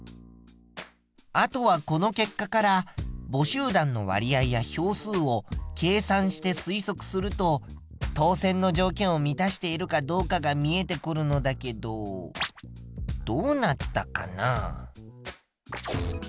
あとはこの結果から母集団の割合や票数を計算して推測すると当選の条件を満たしているかどうかが見えてくるのだけどどうなったかな？